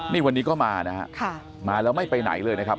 นี่วันนี้ก็มานะฮะมาแล้วไม่ไปไหนเลยนะครับ